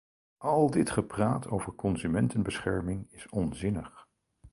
Al dit gepraat over consumentenbescherming is onzinnig.